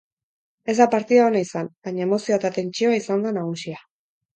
Ez da partida ona izan, baina emozioa eta tentsioa izan da nagusia.